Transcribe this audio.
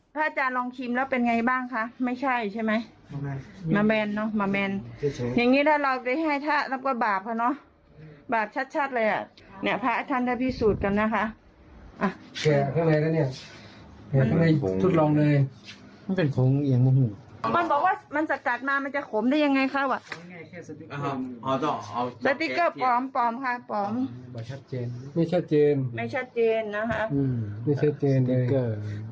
สติ๊กเกอร์สติ๊กเกอร์สติ๊กเกอร์สติ๊กเกอร์สติ๊กเกอร์สติ๊กเกอร์สติ๊กเกอร์สติ๊กเกอร์สติ๊กเกอร์สติ๊กเกอร์สติ๊กเกอร์สติ๊กเกอร์สติ๊กเกอร์สติ๊กเกอร์สติ๊กเกอร์สติ๊กเกอร์สติ๊กเกอร์สติ๊กเกอร์สติ๊กเกอร์สติ๊กเกอร์ส